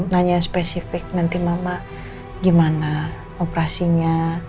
nanya spesifik nanti mama gimana operasinya